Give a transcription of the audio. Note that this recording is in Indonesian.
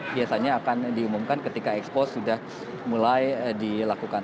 biasanya akan diumumkan ketika expo sudah mulai dilakukan